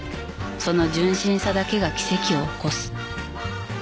［その純真さだけが奇跡を起こす］